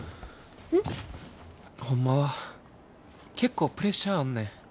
ん？ホンマは結構プレッシャーあんねん。